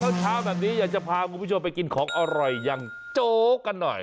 เช้าแบบนี้อยากจะพาคุณผู้ชมไปกินของอร่อยอย่างโจ๊กกันหน่อย